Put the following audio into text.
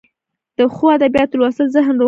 د ښو ادبیاتو لوستل ذهن روښانه کوي.